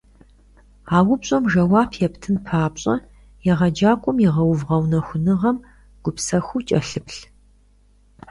А упщӀэм жэуап ептын папщӀэ, егъэджакӀуэм игъэув гъэунэхуныгъэм гупсэхуу кӀэлъыплъ.